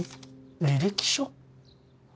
履歴書？